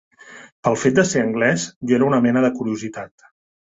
Pel fet de ser anglès, jo era una mena de curiositat